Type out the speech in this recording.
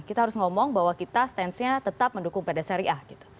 kita harus ngomong bahwa kita stensinya tetap mendukung pdsri a